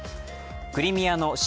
クリミアの親